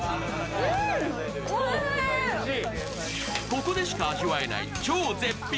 ここでしか味わえない超絶品